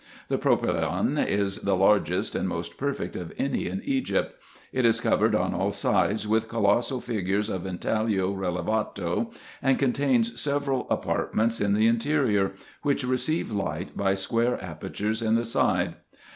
The propylason is the largest and most perfect of any in Egypt : it is covered on all sides with colossal figures of intaglio relevato, and contains several apartments in the interior, which receive light by square apertures in the side.